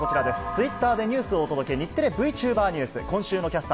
ツイッターでニュースをお届け、日テレＶチューバーニュース。